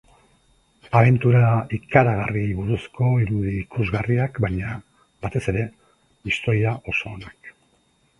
Abentura ikaragarriei buruzko irudi ikusgarriak baina, batez ere, historia oso onak.